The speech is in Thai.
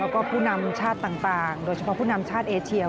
แล้วก็ผู้นำชาติต่างโดยเฉพาะผู้นำชาติเอเชีย